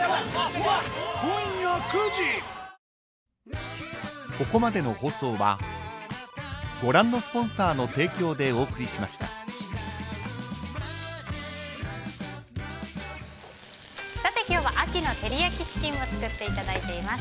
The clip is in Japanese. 「ＷＩＤＥＪＥＴ」今日は秋の照り焼きチキンを作っていただいています。